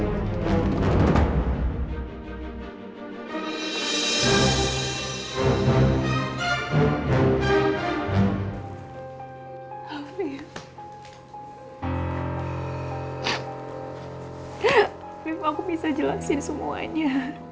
afif aku bisa jelasin semuanya